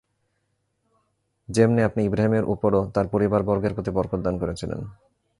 যেমনি আপনি ইব্রাহীমের উপর ও তাঁর পরিবারবর্গের প্রতি বরকত দান করেছিলেন।